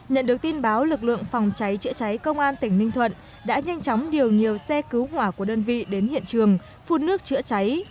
nhận được tin báo lực lượng phòng cháy chữa cháy công an tỉnh ninh thuận đã nhanh chóng điều nhiều xe cứu hỏa của đơn vị đến hiện trường phun nước chữa cháy